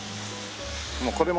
もうこれも。